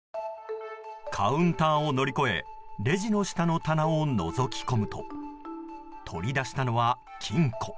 カウンターを乗り越えレジの下の棚をのぞき込むと取り出したのは金庫。